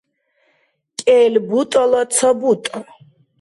кӀел бутӀала ца бутӀа